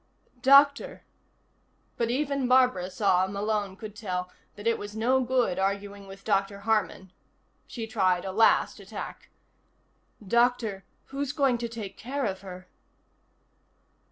"Doctor " But even Barbara saw, Malone could tell, that it was no good arguing with Dr. Harman. She tried a last attack. "Doctor, who's going to take care of her?"